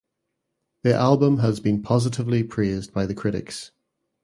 The album has been positively praised by the critics.